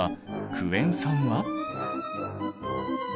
クエン酸は。